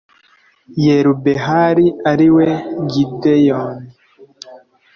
yerubehali ari we gideyoni